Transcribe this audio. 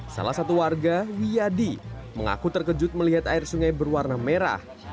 salah satu warga wiyadi mengaku terkejut melihat air sungai berwarna merah